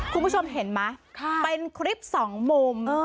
คุณผู้ชมเห็นไหมเป็นคลิปสองมุม